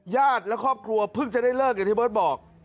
ญาติและครอบครัวเพิ่งจะได้เลิกอย่างที่เบิร์ตบอก